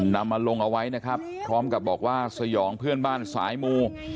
นำมาลงเอาไว้นะครับพร้อมกับบอกว่าสยองเพื่อนบ้านสายมู